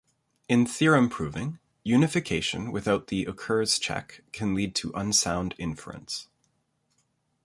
In theorem proving, unification without the occurs check can lead to unsound inference.